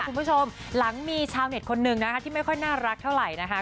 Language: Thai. คุณผู้ชมหลังมีชาวเน็ตคนหนึ่งนะคะที่ไม่ค่อยน่ารักเท่าไหร่นะคะ